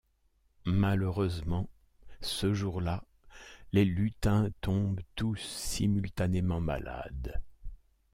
Malheureusement, ce jour-là, les lutins tombent tous simultanément malades.